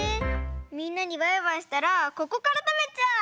みんなにバイバイしたらここからたべちゃう！